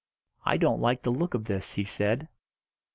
"I don't like the look of this," he said.